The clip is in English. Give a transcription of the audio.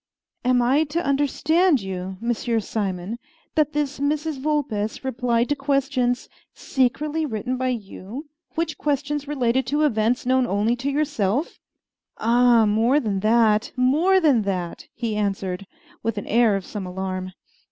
"Am I to understand you, M. Simon, that this Mrs. Vulpes replied to questions secretly written by you, which questions related to events known only to yourself?" "Ah! more than that, more than that," he answered, with an air of some alarm.